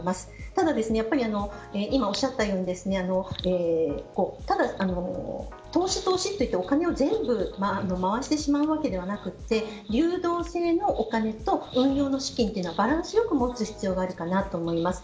ただ、今おっしゃったように投資、投資といってお金を全部回してしまうわけではなく流動性のお金と運用資金をバランスよくもつ必要があるかなと思います。